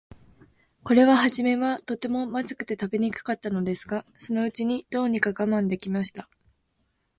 これははじめは、とても、まずくて食べにくかったのですが、そのうちに、どうにか我慢できました。